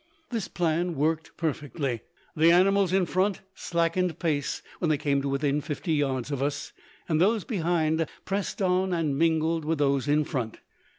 This plan worked perfectly. The animals in front slackened pace when they came to within fifty yards of us, and those behind pressed on and mingled with those in front.